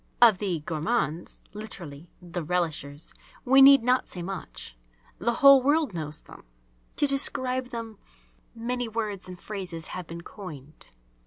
Of the "gourmands" (literally "the relishers") we need not say much. The whole world knows them; to describe them many words and phrases have been coined, _e.